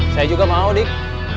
saya juga mau dik